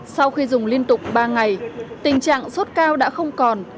sau khi dùng liên tục ba ngày tình trạng sốt cao đã không còn